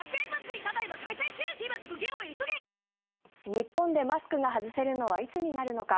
日本でマスクが外せるのはいつになるのか。